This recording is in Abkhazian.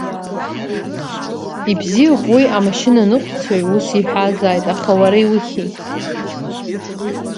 Ибзиоуп, уи амашьынаныҟәцаҩ ус иҳәазааит, аха уара иухьи?!